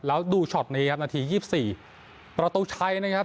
แล้วดูช็อตนี้ครับนาทียี่สิบสี่ประตูชัยนะครับ